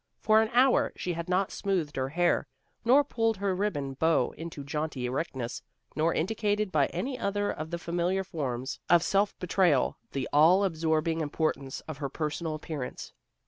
For an hour she had not smoothed her hair, nor pulled her ribbon bow into jaunty erectness, nor indicated by any other of the familiar forms of self betrayal the all absorbing importance of her personal appearance.